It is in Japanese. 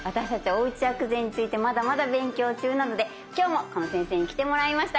おうち薬膳についてまだまだ勉強中なので今日もこの先生に来てもらいました。